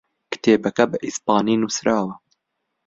کتێبەکە بە ئیسپانی نووسراوە.